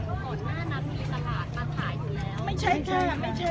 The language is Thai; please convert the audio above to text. ขออนุญาตนะคะก่อนหน้าเดี๋ยวขอบอกว่าบางตัวที่อ่าหลังจากที่สวนสาธารณูนี้